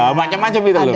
ya macam macam gitu loh